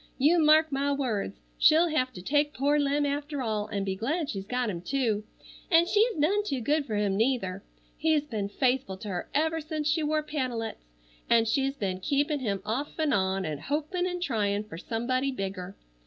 You mark my words, she'll hev to take poor Lem after all, an' be glad she's got him, too,—and she's none too good for him neither. He's ben faithful to her ever since she wore pantalets, an' she's ben keepin' him off'n on an' hopin' an' tryin' fer somebody bigger.